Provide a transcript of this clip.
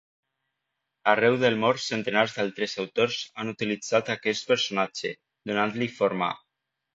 Arreu del món centenars d'altres autors han utilitzat a aquest personatge, donant-li forma.